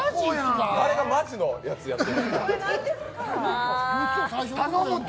誰がマジのやつやってって。